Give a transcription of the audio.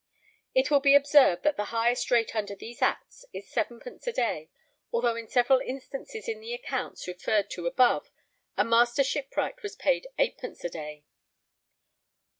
It will be observed that the highest rate under these Acts is sevenpence a day, although in several instances in the accounts referred to above a Master Shipwright was paid eightpence a day.